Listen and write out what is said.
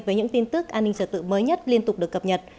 với những tin tức an ninh trở tự mới nhất liên tục được cập nhật